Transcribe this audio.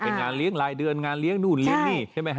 เป็นงานเลี้ยงรายเดือนงานเลี้ยงนู่นเลี้ยงนี่ใช่ไหมฮ